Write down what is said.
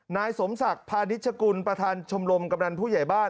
นายสมศักดิ์พาณิชกุลประธานชมรมกำนันผู้ใหญ่บ้าน